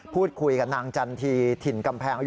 พูดคุยกับนางจันทร์ที่ถิ่นกำแพง